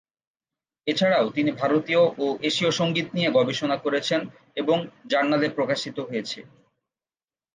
এছাড়াও তিনি ভারতীর ও এশীয় সঙ্গীত নিয়ে গবেষণা করেছেন এবং জার্নালে প্রকাশিত হয়েছে।